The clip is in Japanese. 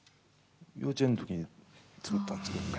幼稚園の時に作ったんですけどね。